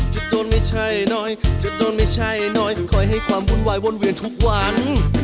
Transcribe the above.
จุดต้นไม่ใช่น้อยจุดต้นไม่ใช่น้อยคอยให้ความวุ่นวายวนเวียนทุกวัน